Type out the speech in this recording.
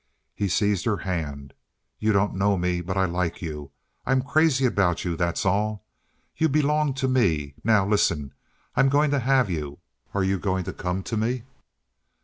He seized her hand. "You don't know me, but I like you. I'm crazy about you, that's all. You belong to me. Now listen. I'm going to have you. Are you going to come to me?"